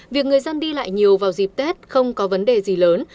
việc người dân đi lại nhiều vào dịp tết không có vấn đề gì lớn